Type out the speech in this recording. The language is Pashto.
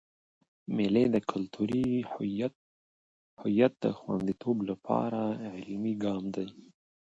مېلې د کلتوري هویت د خونديتوب له پاره عملي ګام دئ.